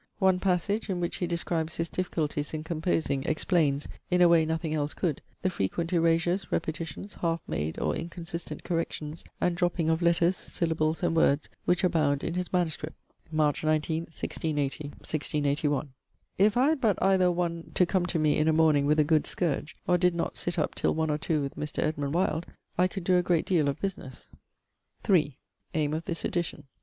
One passage, in which he describes his difficulties in composing, explains, in a way nothing else could, the frequent erasures, repetitions, half made or inconsistent corrections, and dropping of letters, syllables, and words, which abound in his MSS. March 19, 1680/1; 'if I had but either one to come to me in a morning with a good scourge, or did not sitt up till one or two with Mr. Wyld, I could doe a great deal of businesse.' III. AIM OF THIS EDITION.